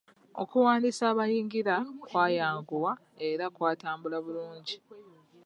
Okuwandiisa abayingira kwayanguwa era kwatambula bulungi.